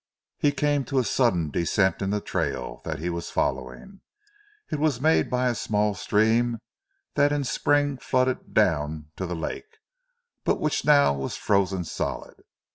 He came to a sudden descent in the trail that he was following. It was made by a small stream that in spring flooded down to the lake but which now was frozen solid.